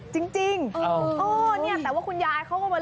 จริงจริงเออเฮ้อเนี้ยแต่ว่าคุณยายเขาก็มา